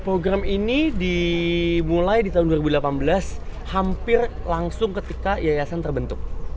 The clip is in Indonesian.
program ini dimulai di tahun dua ribu delapan belas hampir langsung ketika yayasan terbentuk